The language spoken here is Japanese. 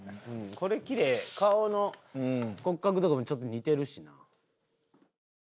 これキレイ顔の骨格とかもちょっと似てるし。